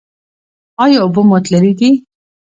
ایا اوبه مو تللې دي؟